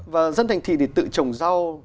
và dân thành thị thì tự trồng rau